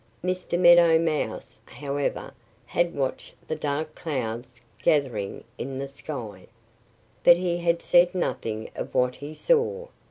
Mr. Meadow Mouse, however, had watched the dark clouds gathering in the sky. But he had said nothing of what he saw.